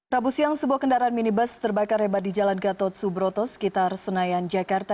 rabu siang sebuah kendaraan minibus terbakar hebat di jalan gatot subroto sekitar senayan jakarta